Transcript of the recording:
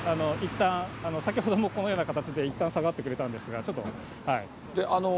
いったん、先ほどもこのような形で、いったん下がってくれたんですが、ちょっと。